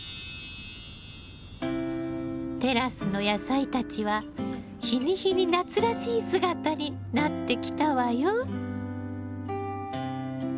テラスの野菜たちは日に日に夏らしい姿になってきたわよ。